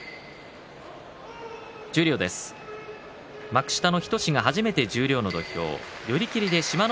幕下の日翔志が初めて十両の土俵志摩ノ